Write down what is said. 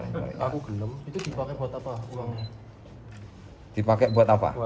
itu dipakai buat apa uangnya